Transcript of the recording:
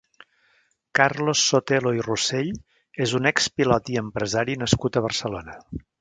Carlos Sotelo i Rosell és un expilot i empresari nascut a Barcelona.